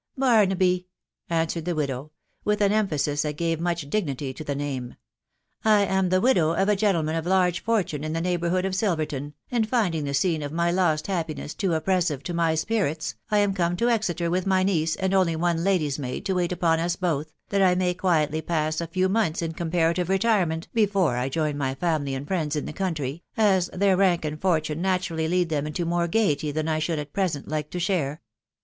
" Barnaby !" answered the widow, with an emphasis that gave much dignity to the name. " I am the widow of a gentle man of large fortune in the neighbourhood of Silverton, and, finding the scene of my lost happiness too oppressive to my spirits, I am come to Exeter with my niece, and only one lady's maid to wait upon us both, that I may quietly pass a few months in comparative retirement before I join my family and friends in the country, as their rank and fortune naturally lead them into more gaiety than I should at present like to share.